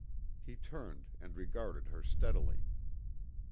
He turned and regarded her steadily.